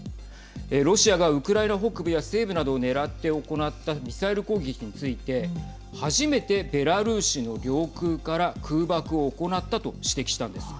ロシアがウクライナ北部や西部などを狙って行ったミサイル攻撃について初めて、ベラルーシの領空から空爆を行ったと指摘したんです。